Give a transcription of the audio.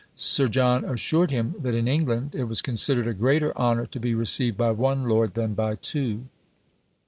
Sir John assured him that in England it was considered a greater honour to be received by one lord than by two!